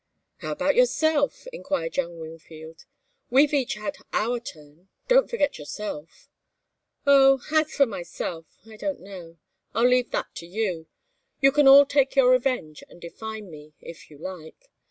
"How about yourself?" enquired young Wingfield. "We've each had our turn. Don't forget yourself." "Oh as for myself I don't know. I'll leave that to you. You can all take your revenge, and define me, if you like.